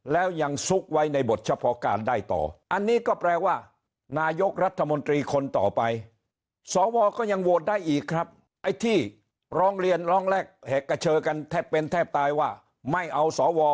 แล้วยังซุกไว้ในบทเฉพาะการได้ต่ออันนี้ก็แปลว่านายกรัฐมนตรีคนต่อไปสวก็ยังโหวตได้อีกครับไอ้ที่ร้องเรียนร้องแรกแหกกระเชอกันแทบเป็นแทบตายว่าไม่เอาสว